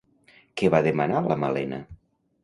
Què va demanar la Malena?